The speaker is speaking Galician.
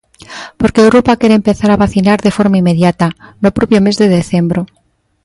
Porque Europa quere empezar a vacinar de forma inmediata, no propio mes de decembro.